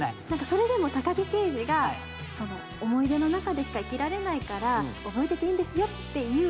それでも高木刑事が思い出の中でしか生きられないから覚えてていいんですよっていう。